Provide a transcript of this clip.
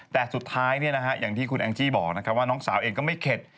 แต่สุดท้ายอย่างที่คุณแองจี้บอกว่าน้องสาวเองก็ไม่เข็ด